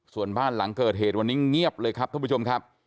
ส่วนบ้านหลังเกิดเหตุวันนี้เงียบเลยครับท่านผู้ชมครับ